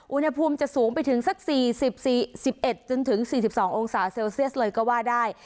อุณหภูมิจะสูงไปถึงสัก๑๑๑๔๒องศาเซลเซียสเลยก็ว่าได้